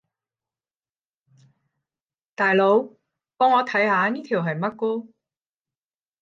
大佬，幫我看下呢條係乜歌